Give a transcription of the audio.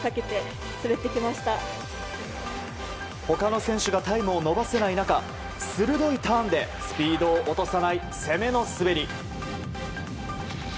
他の選手がタイムを伸ばせない中鋭いターンでスピードを落とさない攻めの滑り。